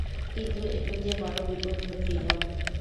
কিন্তু এখন যে বড় বিপদ ঘটিল!